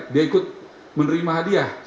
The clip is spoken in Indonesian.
dia ikut menerima hadiah